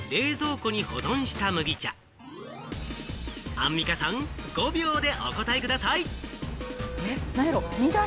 アンミカさん、５秒でお答えください。